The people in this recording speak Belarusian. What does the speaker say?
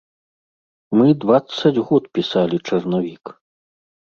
Мы дваццаць год пісалі чарнавік!